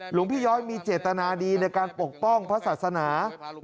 หลวงพี่ย้อยมีเจตนาดีในการปกป้องพระศาสนา